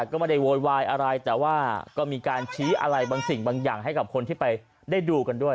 ก็ไม่ได้โวยวายอะไรแต่ว่าก็มีการชี้อะไรบางสิ่งบางอย่างให้กับคนที่ไปได้ดูกันด้วย